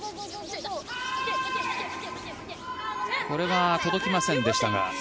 これが届きませんでしたが。